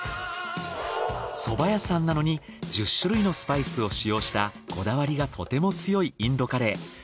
蕎麦屋さんなのに１０種類のスパイスを使用したこだわりがとても強いインドカレー。